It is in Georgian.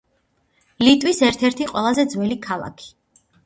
ლიტვის ერთ-ერთი ყველაზე ძველი ქალაქი.